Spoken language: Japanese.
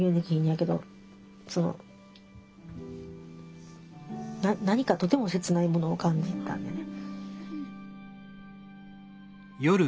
その何かとても切ないものを感じたんやね。